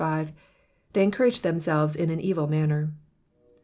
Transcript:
^^They encourage themselves in an evU matter.